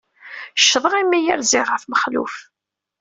Ccḍeɣ imi ay rziɣ ɣef Mexluf.